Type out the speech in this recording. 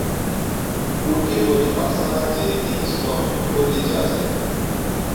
اوڏڪِي ٻولِي پاڪستانا چي تِينهِين صُوبان ۾ ٻوللِي جا ڇَي